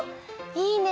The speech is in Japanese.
いいね！